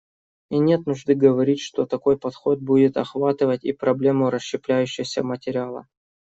И нет нужды говорить, что такой подход будет охватывать и проблему расщепляющегося материала.